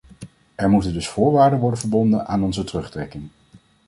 Er moeten dus voorwaarden worden verbonden aan onze terugtrekking.